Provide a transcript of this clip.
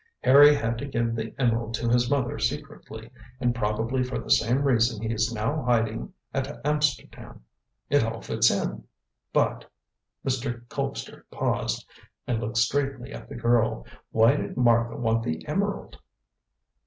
Harry had to give the emerald to his mother secretly, and probably for the same reason he is now in hiding at Amsterdam. It all fits in. But" Mr. Colpster paused and looked straightly at the girl "why did Martha want the emerald?"